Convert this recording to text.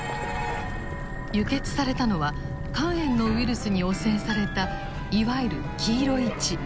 輸血されたのは肝炎のウイルスに汚染されたいわゆる黄色い血。